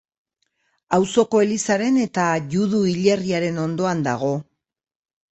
Auzoko elizaren eta judu hilerriaren ondoan dago